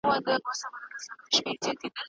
له ماشومانو سره فزیکي سزا مه کاروئ.